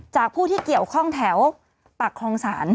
จากผู้ที่เกี่ยวข้องแถวปากคลองศาล